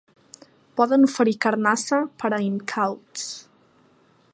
Poden oferir carnassa per a incauts.